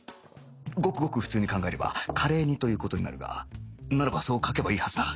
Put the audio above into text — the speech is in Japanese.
ごくごく普通に考えればカレー煮という事になるがならばそう書けばいいはずだ